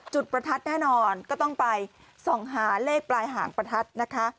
ประทัดแน่นอนก็ต้องไปส่องหาเลขปลายหางประทัดนะคะ